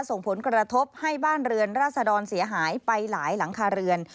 ส่งผลกระทบให้บ้านเรือนราษดรเสียหายไปหลายหลังคาเรือน